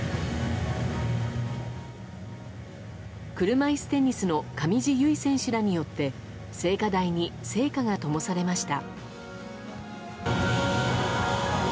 車いすテニスの上地結衣選手らによって聖火台に聖火がともされました。